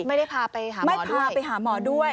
ไม่ได้พาไปหาหมอด้วย